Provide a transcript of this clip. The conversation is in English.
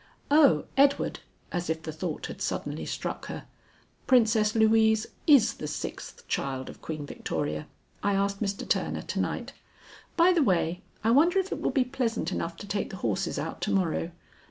Oh, Edward!" as if the thought had suddenly struck her, "Princess Louise is the sixth child of Queen Victoria; I asked Mr. Turner to night. By the way, I wonder if it will be pleasant enough to take the horses out to morrow?